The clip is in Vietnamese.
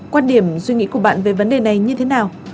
quan điểm suy nghĩ của bạn về vấn đề này như thế nào